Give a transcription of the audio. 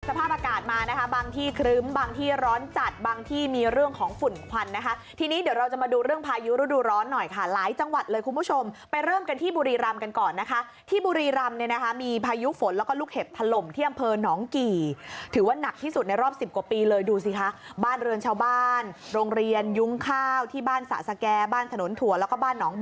สภาพอากาศมานะครับบางที่ครึ้มบางที่ร้อนจัดบางที่มีเรื่องของฝุ่นควันนะคะที่นี้เดี๋ยวเราจะมาดูเรื่องพายุรูดูร้อนหน่อยค่ะหลายจังหวัดเลยคุณผู้ชมไปเริ่มกันที่บุรีรำกันก่อนนะคะที่บุรีรำเนี่ยนะคะมีพายุฝนแล้วก็ลูกเห็บทะลมที่อำเภอน้องกี่ถือว่านักที่สุดในรอบสิบกว่าปีเลยดูสิค่ะบ้านเรือนชาวบ้าน